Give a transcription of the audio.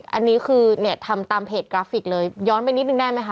อันนี้คือเนี่ยทำตามเพจกราฟิกเลยย้อนไปนิดนึงได้ไหมค